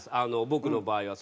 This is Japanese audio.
僕の場合は。